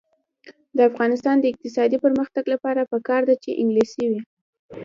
د افغانستان د اقتصادي پرمختګ لپاره پکار ده چې انګلیسي وي.